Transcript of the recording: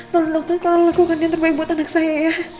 tolong dokter kalau lakukan yang terbaik buat anak saya ya